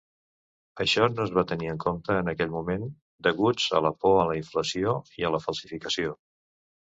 Això no es va tenir en compte en aquell moment, deguts a la por a la inflació i la falsificació.